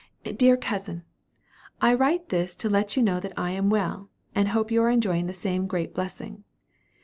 "DEAR COUSIN. I write this to let you know that I am well, and hope you are enjoying the same great blessing.